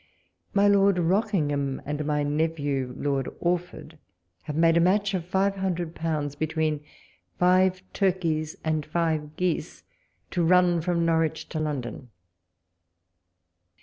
My Lord Rock ingham and my nephew Loid Orford have made a match of five hundred pounds, between five turkeys and five geese, to run from Norwich to London.